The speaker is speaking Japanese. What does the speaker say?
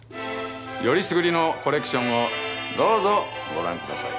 よりすぐりのコレクションをどうぞご覧ください。